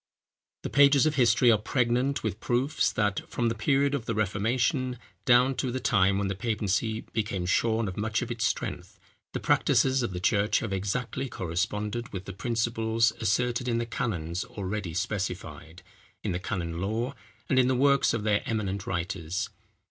The pages of history are pregnant with proofs that, from the period of the Reformation, down to the time when the papacy became shorn of much of its strength, the practices of the church have exactly corresponded with the principles asserted in the canons already specified, in the canon law, and in the works of their eminent writers.